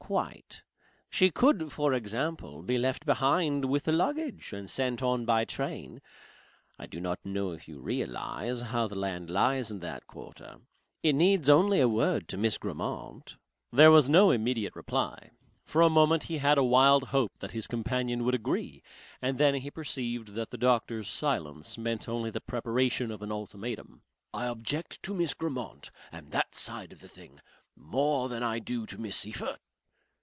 Quite. She could for example be left behind with the luggage and sent on by train. I do not know if you realize how the land lies in that quarter. It needs only a word to Miss Grammont." There was no immediate reply. For a moment he had a wild hope that his companion would agree, and then he perceived that the doctor's silence meant only the preparation of an ultimatum. "I object to Miss Grammont and that side of the thing, more than I do to Miss Seyffert."